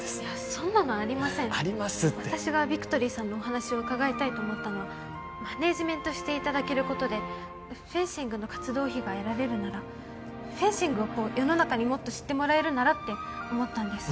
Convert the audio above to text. そんなのありませんありますって私がビクトリーさんのお話を伺いたいと思ったのはマネージメントしていただけることでフェンシングの活動費が得られるならフェンシングを世の中にもっと知ってもらえるならって思ったんです